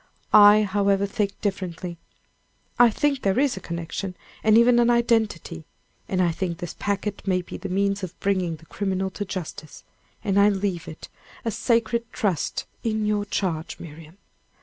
I, however, think differently. I think there is a connection, and even an identity; and I think this packet may be the means of bringing the criminal to justice; and I leave it a sacred trust in your charge, Miriam.